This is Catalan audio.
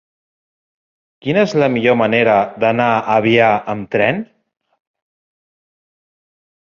Quina és la millor manera d'anar a Avià amb tren?